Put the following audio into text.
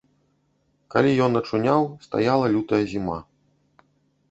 Калі ён ачуняў, стаяла лютая зіма.